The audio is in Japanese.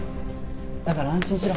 だから安心しろ